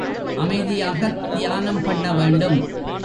அமைதியாகத் தியானம் பண்ண வேண்டும்.